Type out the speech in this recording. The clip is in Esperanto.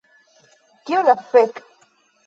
Kio la fek'